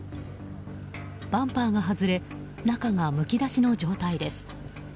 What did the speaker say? バンパーが外れ中がむき出しの状態です。